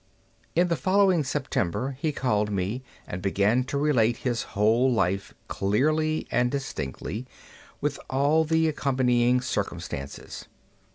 In the following September he called me, and began to relate his whole life clearly and distinctly with all the accompanying circumstances.